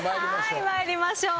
はい参りましょう。